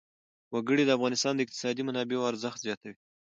وګړي د افغانستان د اقتصادي منابعو ارزښت زیاتوي.